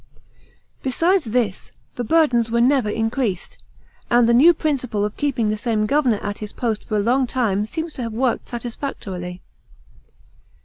Besides this, the burdens were never increased; and the new principle of keeping the same governor at his post for a long time seems to have worked satisfactorily.